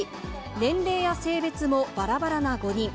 年齢や性別もばらばらな５人。